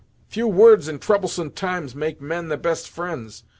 Few words in troublesome times, make men the best fri'nds.